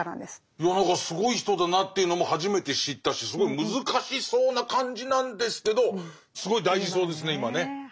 すごい人だなっていうのも初めて知ったしすごい難しそうな感じなんですけどすごい大事そうですね今ね。